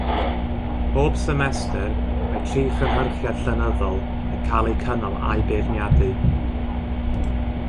Bob semester, mae tri Chynhyrchiad Llenyddol yn cael eu cynnal a'u beirniadu.